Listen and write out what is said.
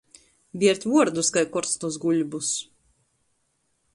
Biert vuordus kai korstus guļbus.